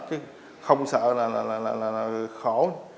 chứ không sợ là khổ